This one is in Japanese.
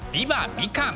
みかん！！」。